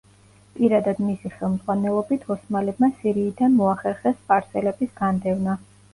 პირადად მისი ხელმძღვანელობით ოსმალებმა სირიიდან მოახერხეს სპარსელების განდევნა.